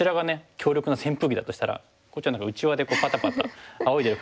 強力な扇風機だとしたらこっちは何かうちわでパタパタあおいでる感じの。